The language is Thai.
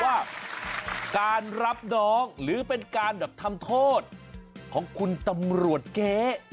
ว่าการรับน้องหรือเป็นการแบบทำโทษของคุณตำรวจเก๊